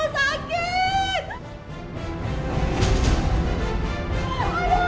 aduh aduh aduh aduh tolong